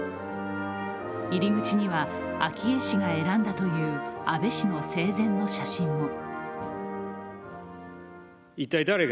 入り口には昭恵氏が選んだという安倍氏の生前の写真も。